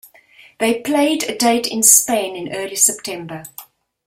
They played a date in Spain in early September.